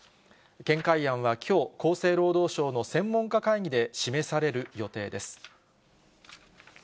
見解案はきょう、厚生労働省の専門家会議で示される予定です。